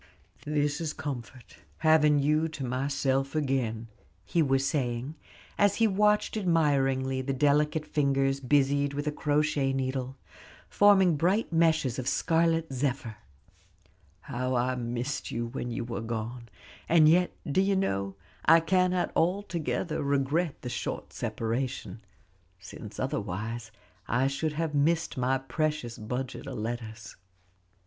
"This is comfort, having you to myself again," he was saying, as he watched admiringly the delicate fingers busied with a crochet needle, forming bright meshes of scarlet zephyr. "How I missed you when you were gone! and yet, do you know, I cannot altogether regret the short separation, since otherwise I should have missed my precious budget of letters."